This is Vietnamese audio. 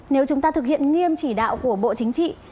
nếu chúng ta thực hiện nghiêm chỉ đạo của bộ chính trị